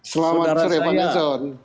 selamat sore pak nelson